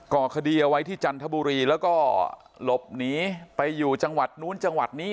ก่อคดีเอาไว้ที่จันทบุรีแล้วก็หลบหนีไปอยู่จังหวัดนู้นจังหวัดนี้